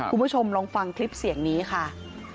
คุณผู้ชมลองฟังคลิปเสียงนี้ค่ะ